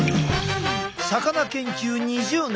魚研究２０年！